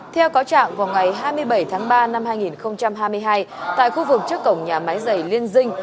theo cáo trạng vào ngày hai mươi bảy tháng ba năm hai nghìn hai mươi hai tại khu vực trước cổng nhà máy dày liên dinh